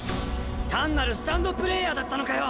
単なるスタンドプレーヤーだったのかよ！